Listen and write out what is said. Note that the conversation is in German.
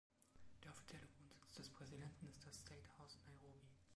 Der offizielle Wohnsitz des Präsidenten ist das State House, Nairobi.